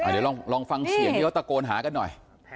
เดี๋ยวลองฟังเสียงตระโกนหากันหน่อย